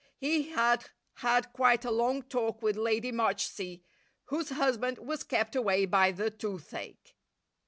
He had had quite a long talk with Lady Marchsea, whose husband was kept away by the toothache.